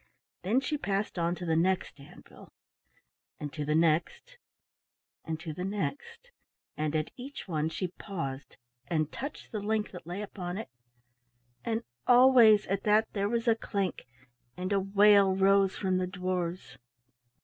Then she passed on to the next anvil, and to the next, and to the next, and at each one she paused and touched the link that lay upon it, and always at that there was a clink, and a wail arose from the dwarfs.